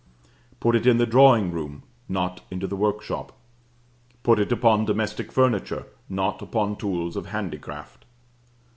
Put it in the drawing room, not into the workshop; put it upon domestic furniture, not upon tools of handicraft.